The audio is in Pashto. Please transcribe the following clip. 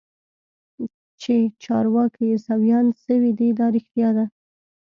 چې چارواکي عيسويان سوي دي دا رښتيا ده.